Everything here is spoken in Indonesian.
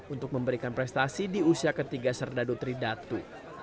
untuk memberikan prestasi di usia ketiga serdadu tridatu